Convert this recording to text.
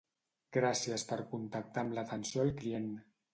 Gràcies per contactar amb l'atenció al client.